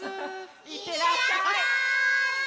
いってらっしゃい！